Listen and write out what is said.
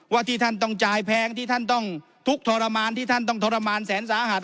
ที่ท่านต้องจ่ายแพงที่ท่านต้องทุกข์ทรมานที่ท่านต้องทรมานแสนสาหัส